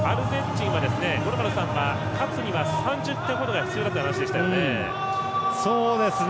五郎丸さん、アルゼンチンは勝つには、３０点ほどが必要だという話でしたよね。